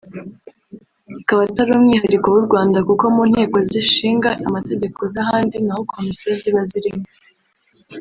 Bikaba atari umwihariko w’u Rwanda kuko mu nteko zishinga amategeko z’ahandi naho Komisiyo ziba zirimo